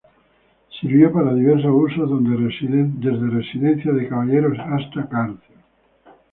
Sirvió para diversos usos, desde residencia de caballeros hasta cárcel.